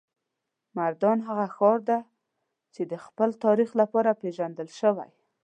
مردان هغه ښار دی چې د خپل تاریخ لپاره پیژندل شوی.